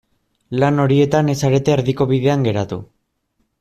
Lan horietan ez zarete erdiko bidean geratu.